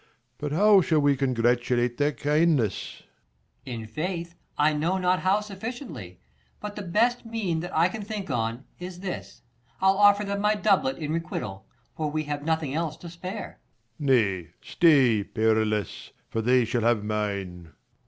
But how shall we congratulate their kindness ? Per. In faith, I know not how sufficiently ; But the best mean that I can think on, is this : 115 I'll offer them my doublet in requital ; For we have nothing else to spare. Leir. Nay, stay, Perillus, for they shall have mine.